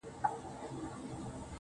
ستا د لېمو د نظر سيوري ته يې سر ټيټ کړی,